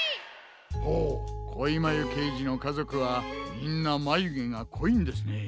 ほうこいまゆけいじのかぞくはみんなまゆげがこいんですね。